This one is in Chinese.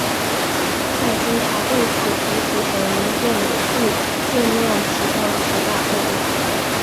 麦金塔对普及图形用户界面起到了很大作用。